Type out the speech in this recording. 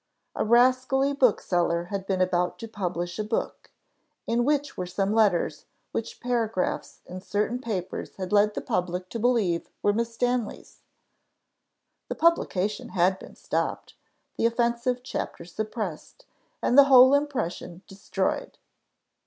A rascally bookseller had been about to publish a book, in which were some letters which paragraphs in certain papers had led the public to believe were Miss Stanley's; the publication had been stopped, the offensive chapter suppressed, and the whole impression destroyed.